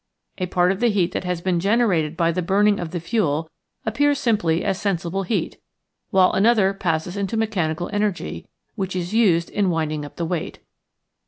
A part of the heat that has been generated by the burning of the fuel appears simply as sensible heat, while another passes into mechanical energy, which is used in winding up the weight.